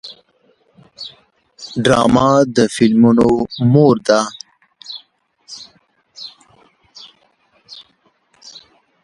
ډرامه د فلمونو مور ده